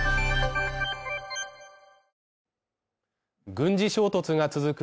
軍事衝突が続く